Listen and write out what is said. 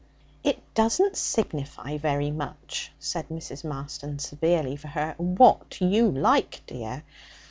'It doesn't signify very much,' said Mrs. Marston (severely for her), 'what you like, dear.